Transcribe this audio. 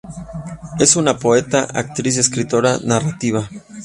Es una poeta, actriz y escritora narrativa.